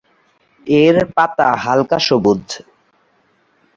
এর পাতা হালকা সবুজ।